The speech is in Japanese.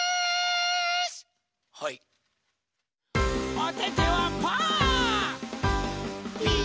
おててはパー。